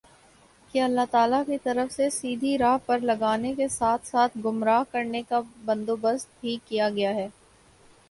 کہ اللہ تعالیٰ کی طرف سے سیدھی راہ پر لگانے کے ساتھ ساتھ گمراہ کرنے کا بندوبست بھی کیا گیا ہے